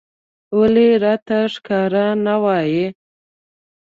ولې راته ښکاره نه وايې